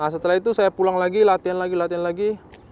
setelah itu saya pulang lagi latihan lagi latihan lagi